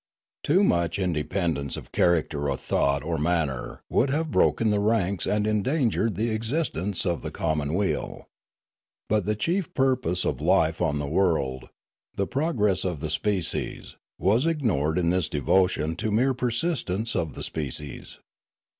Too much independence of character or thought or manner would have broken the ranks and endangered the existence of the commonweal. But the chief pur pose of life on the world, the progress of the species, was ignored in this devotion to mere persistence of the species.